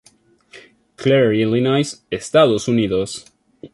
Clair, Illinois, Estados Unidos.